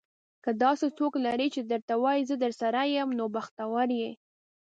که داسې څوک لرې چې درته وايي, زه درسره یم. نو بختور یې.